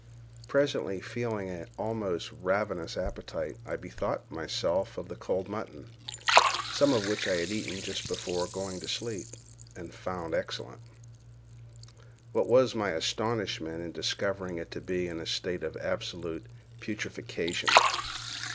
Presently feeling an almost ravenous appetite, I bethought myself of the cold mutton, some of which I had eaten just before going to sleep, and found excellent. What was my astonishment in discovering it to be in a state of absolute putrefaction!